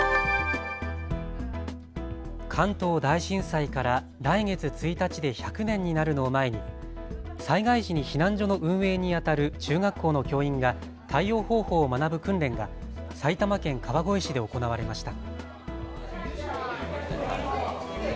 関東大震災から来月１日で１００年になるのを前に災害時に避難所の運営にあたる中学校の教員が対応方法を学ぶ訓練が埼玉県川越市で行われました。